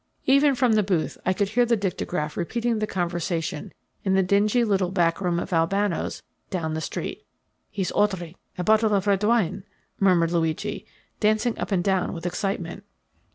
'" Even from the booth I could hear the dictagraph repeating the conversation in the dingy little back room of Albano's, down the street. "He's ordering a bottle of red wine," murmured Luigi, dancing up and down with excitement.